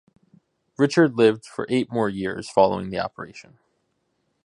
Richard lived for eight more years, following the operation.